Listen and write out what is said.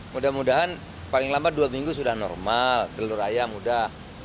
mudah mudahan paling lambat dua minggu sudah normal telur ayam udah